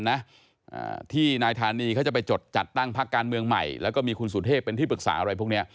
นะอ่าที่นายธานีเขาจะไปจดจัดตั้งพักการเมืองใหม่แล้วก็มีคุณสุเทพเป็นที่ปรึกษาอะไรพวกเนี้ย